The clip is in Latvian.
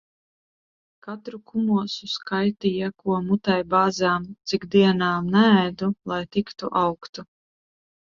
Katru kumosu skaitīja, ko mutē bāzām. Cik dienām neēdu, lai tik tu augtu.